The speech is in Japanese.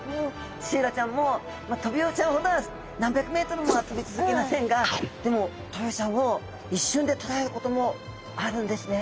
シイラちゃんもトビウオちゃんほどは何百メートルもは飛び続けませんがでもトビウオちゃんを一瞬でとらえることもあるんですね。